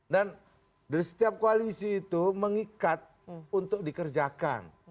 dan dari setiap koalisi itu mengikat untuk dikerjakan